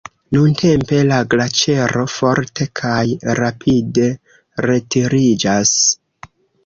Nuntempe la glaĉero forte kaj rapide retiriĝas.